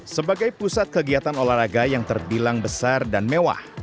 sebagai pusat kegiatan olahraga yang terbilang besar dan mewah